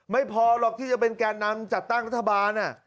ไม่พอหรอกที่จะเป็นแก่นำจัดตั้งรัฐบาล